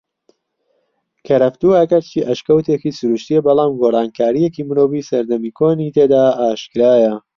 کەرەفتوو ئەگەرچی ئەشکەوتێکی سرووشتیە بەلام گۆڕانکاریەکانی مرۆڤی سەردەمی کۆنی تێدا ئاشکرایە